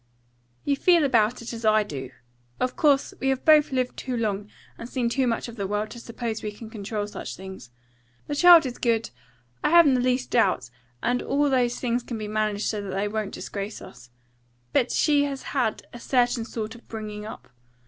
"You feel about it as I do. Of course, we have both lived too long, and seen too much of the world, to suppose we can control such things. The child is good, I haven't the least doubt, and all those things can be managed so that they wouldn't disgrace us. But she has had a certain sort of bringing up.